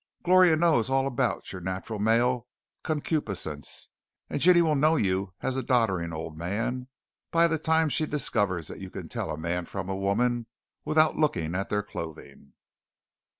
"Gloria knows all about your natural male concupiscence; and 'Ginny will know you as a doddering old man by the time she discovers that you can tell a man from a woman without looking at their clothing."